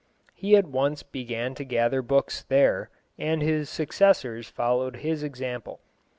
He at once began to gather books there, and his successors followed his example.